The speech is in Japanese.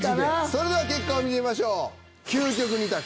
それでは結果を見てみましょう。